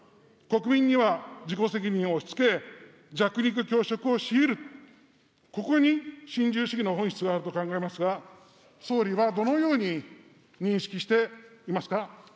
国民には自己責任を押しつけ、弱肉強食を強いる、ここに新自由主義の本質があると考えますが、総理はどのように認識していますか。